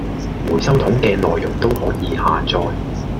回收桶既內容都可以下載